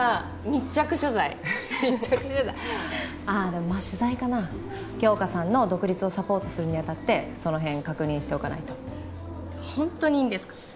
密着取材あでもまっ取材かな杏花さんの独立をサポートするにあたってその辺確認しておかないとホントにいいんですか？